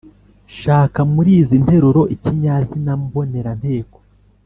shaka muri izi nteruro ikinyazina mboneranteko,